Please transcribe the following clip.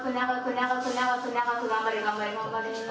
長く長く頑張れ、頑張れ。